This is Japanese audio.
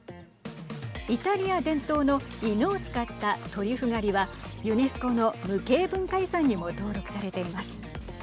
イタリア伝統の犬を使ったトリュフ狩りはユネスコの無形文化遺産にも登録されています。